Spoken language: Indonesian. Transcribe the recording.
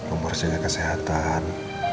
umur sehatnya kesehatan